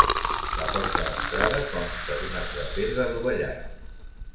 La porta d'entrada consta d'un arc de pedra adovellat.